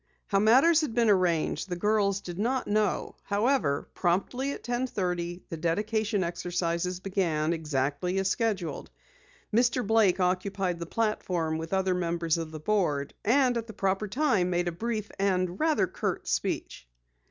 How matters had been arranged, the girls did not know. However, promptly at ten thirty, the dedication exercises began, exactly as scheduled. Mr. Blake occupied the platform with other members of the board, and at the proper time made a brief and rather curt speech.